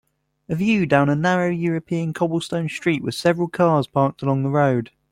A view down a narrow European cobblestone street with several cars parked along the road.